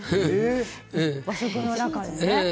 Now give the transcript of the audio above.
和食の中でね。